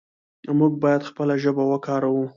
موږ باید خپله ژبه وکاروو.